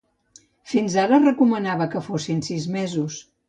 Fins ara, es recomanava que fossin sis mesos.